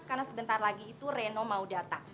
karena sebentar lagi itu reno mau datang